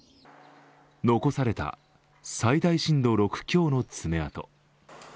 残された最大震度６強の爪痕。